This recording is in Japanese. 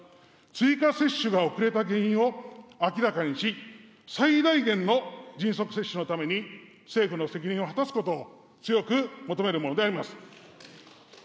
追加接種が遅れた原因を明らかにし、最大限の迅速接種のために、政府の責任を果たすことを強く求めるものであります。